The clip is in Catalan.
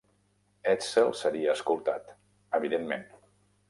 Edsel seria escoltat, evidentment.